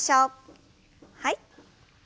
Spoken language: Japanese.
はい。